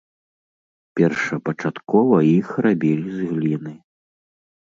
Першапачаткова іх рабілі з гліны.